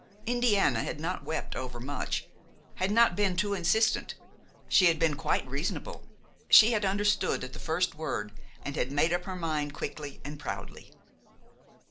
Indiana had not wept overmuch, had not been too insistent. She had been quite reasonable; she had understood at the first word and had made up her mind quickly and proudly.